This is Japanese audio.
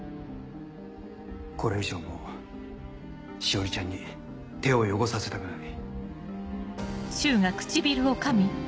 これ以上もう詩織ちゃんに手を汚させたくない。